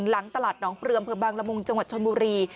ล้างตลัดน้องเตือมเผื่อบางลมุงจังหวัดชนบุรี